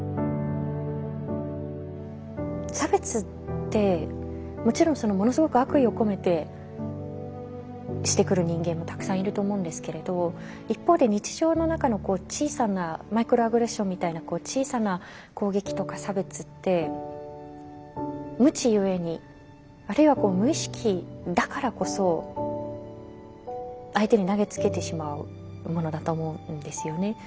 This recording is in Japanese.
差別ってもちろんものすごく悪意を込めてしてくる人間もたくさんいると思うんですけれど一方で日常の中の小さなマイクロアグレッションみたいな小さな攻撃とか差別って無知ゆえにあるいは無意識だからこそ相手に投げつけてしまうものだと思うんですよね。